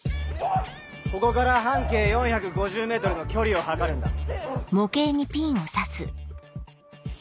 ここから半径４５０ｍの距離を測るんだ。